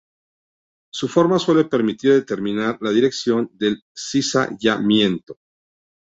Su forma suele permitir determinar la dirección del cizallamiento.